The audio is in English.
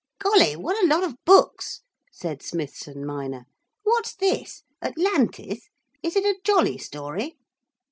'Golly, what a lot of books,' said Smithson minor. 'What's this? Atlantis? Is it a jolly story?'